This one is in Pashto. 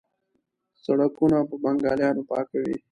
سړکونه په بنګالیانو پاکوي.